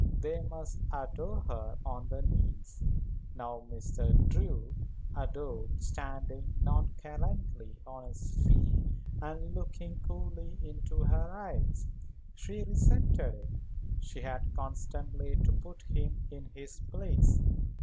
They must adore her on their knees. Now Mr. Drew adored standing nonchalantly on his feet and looking coolly into her eyes. She resented it; she had constantly to put him in his place.